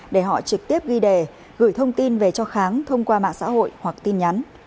để họ trực tiếp ghi đề gửi thông tin về cho kháng thông qua mạng xã hội hoặc tin nhắn